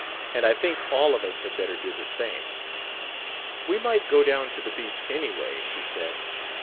"And I think all of us had better do the same." "We might go down to the beach, anyway," she said.